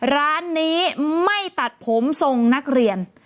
ร้านนี้ไม่ตัดผมทรงนักเรียน